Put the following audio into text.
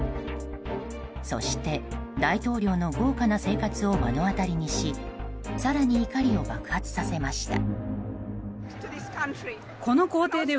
そして、大統領の豪華な生活を目の当たりにし更に怒りを爆発させました。